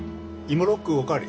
芋ロックお代わり。